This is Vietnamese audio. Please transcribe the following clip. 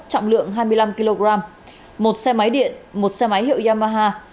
trọng lượng hai mươi năm kg một xe máy điện một xe máy hiệu yamaha